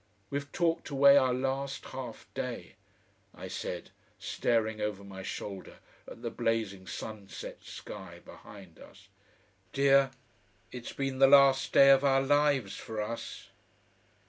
"We've talked away our last half day," I said, staring over my shoulder at the blazing sunset sky behind us. "Dear, it's been the last day of our lives for us....